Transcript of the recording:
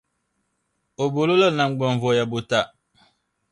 O boli o lala naŋgbanvɔya buta.